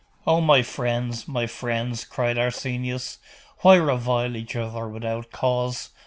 'Oh, my friends, my friends,' cried Arsenius, 'why revile each other without cause?